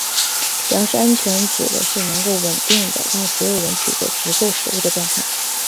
粮食安全指的是能够稳定地让所有人取得足够食物的状态。